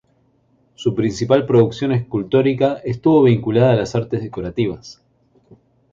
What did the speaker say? Su principal producción escultórica estuvo vinculada a las artes decorativas.